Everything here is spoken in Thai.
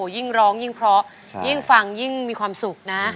ยิ่งร้องยิ่งเพราะยิ่งฟังยิ่งมีความสุขนะ